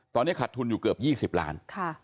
ตอนนี้ขัดทุนอยู่เกือบ๒๐ล้าน